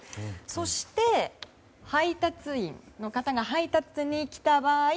そして、配達員の方が配達に来た場合。